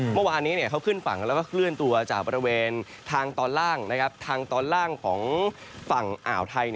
เมื่อวานนี้เขาขึ้นฝั่งแล้วก็เคลื่อนตัวจากบริเวณทางตอนล่างทางตอนล่างของฝั่งอ่าวไทย